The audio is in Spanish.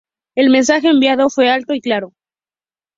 El mensaje enviado fue alto y claro.